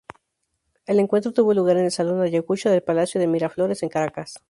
El encuentro tuvo lugar en el Salón Ayacucho del Palacio de Miraflores en Caracas.